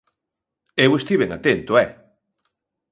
Eu estiven atento, ¡eh!